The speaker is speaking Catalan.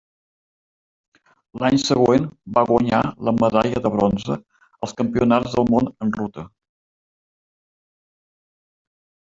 L'any següent va guanyar la medalla de bronze als Campionats del Món en ruta.